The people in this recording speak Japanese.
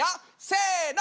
せの。